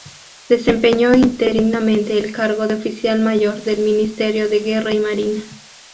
Desempeñó interinamente el cargo de oficial mayor del Ministerio de Guerra y Marina.